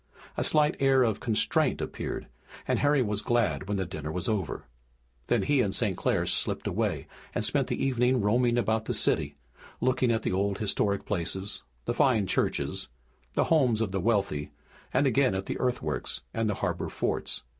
A slight air of constraint appeared and Harry was glad when the dinner was over. Then he and St. Clair slipped away and spent the evening roaming about the city, looking at the old historic places, the fine churches, the homes of the wealthy and again at the earthworks and the harbor forts.